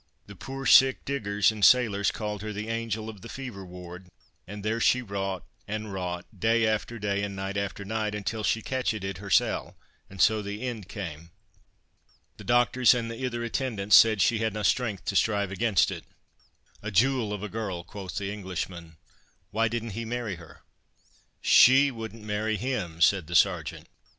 The puir sick diggers and sailors called her 'The Angel of the Fever Ward,' and there she wrought, and wrought, day after day, and night after night, until she catchit it hersel', and so the end came. The doctors and the ither attendants said she hadna the strength to strive against it." "A jewel of a girl!" quoth the Englishman; "why didn't he marry her?" "She wouldn't marry him," said the Sergeant.